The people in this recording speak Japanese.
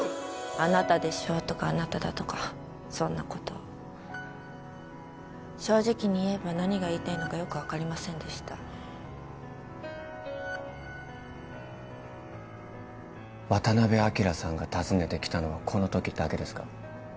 あなたでしょとかあなただとかそんなことを正直に言えば何が言いたいのかよく分かりませんでした渡辺昭さんが訪ねてきたのはこの時だけですか？